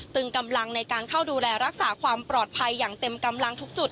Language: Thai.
กำลังในการเข้าดูแลรักษาความปลอดภัยอย่างเต็มกำลังทุกจุด